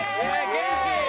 元気！